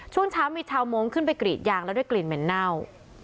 ช่วงเช้ามีชาวมงค์ขึ้นไปกรีดยางแล้วได้กลิ่นเหม็นเน่า